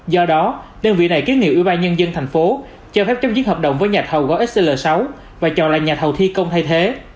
do đó đơn vị này kiến nghị ủy ban nhân dân tp hcm cho phép chống dứt hợp đồng với nhà thầu gói xl sáu và chọn lại nhà thầu thi công thay thế